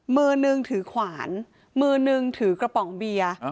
มือนึงถือขวานมือนึงถือกระป๋องเบียร์